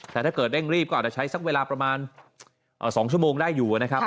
แต่ถ้าเกิดเร่งรีบก็อาจจะใช้สักเวลาประมาณ๒ชั่วโมงได้อยู่นะครับ